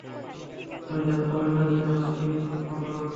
আমি জানতামই না যে আপনি এতো ভালো গান।